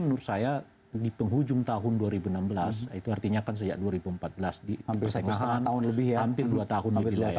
menurut saya di penghujung tahun dua ribu enam belas itu artinya kan sejak dua ribu empat belas di hampir setahun lebih sampai dua tahun